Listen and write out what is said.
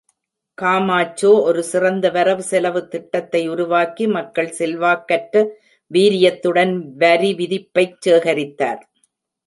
காமாச்சோ ஒரு சிறந்த வரவுசெலவுத் திட்டத்தை உருவாக்கி, மக்கள் செல்வாக்கற்ற வீரியத்துடன் வரிவிதிப்பைச் சேகரித்தார்.